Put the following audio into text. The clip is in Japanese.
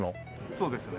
そうですね。